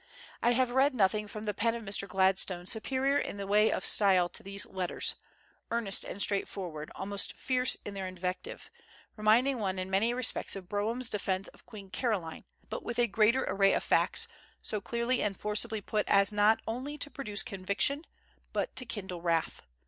I have read nothing from the pen of Mr. Gladstone superior in the way of style to these letters, earnest and straightforward, almost fierce in their invective, reminding one in many respects of Brougham's defence of Queen Caroline, but with a greater array of facts, so clearly and forcibly put as not only to produce conviction but to kindle wrath.